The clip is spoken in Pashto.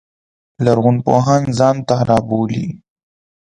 لرغون پوهان ځان ته رابولي.